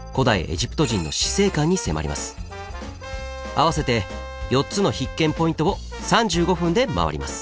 合わせて４つの必見ポイントを３５分でまわります。